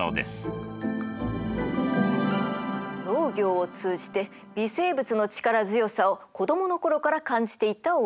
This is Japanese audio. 農業を通じて微生物の力強さを子供の頃から感じていた大村さん。